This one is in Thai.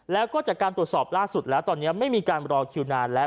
แล้วก็จากการตรวจสอบล่าสุดแล้วตอนนี้ไม่มีการรอคิวนานแล้ว